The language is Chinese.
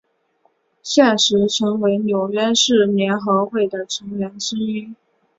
现时陈为纽约市联合会的成员之一。